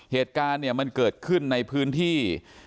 เหตุการณ์เนี่ยมันเกิดขึ้นในพื้นที่